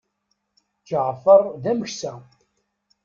Ǧeɛfer d ameksa.